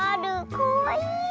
かわいい！